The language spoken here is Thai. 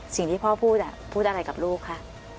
สิ่งที่พ่อพูดพูดอะไรกับลูกคะ